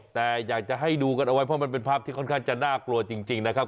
แต่อยากจะให้ดูกันเอาไว้เพราะมันเป็นภาพที่ค่อนข้างจะน่ากลัวจริงนะครับ